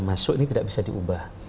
masuk ini tidak bisa diubah